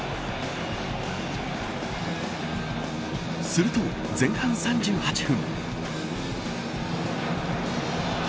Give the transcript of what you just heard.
すると前半３８分。